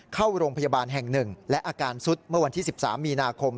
เข้าโรงพยาบาลแห่ง๑และอาการซุดเมื่อวันที่๑๓มีนาคม